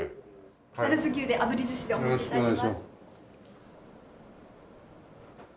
木更津牛であぶり寿司でお持ち致します。